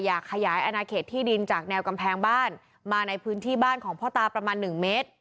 ขยายอนาเขตที่ดินจากแนวกำแพงบ้านมาในพื้นที่บ้านของพ่อตาประมาณหนึ่งเมตร